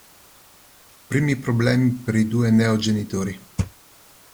Primi problemi per i due neo genitori.